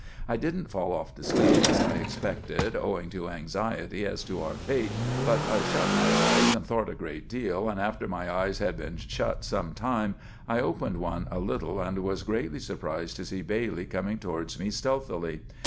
I didn't fall off to sleep, as I expected, owing to anxiaty as to our fate, but I shut my eyes and thort a good deal, and after my eyes had been shut some time I opened one a little and was grately surprised to see Bailey coming towards me steelthily.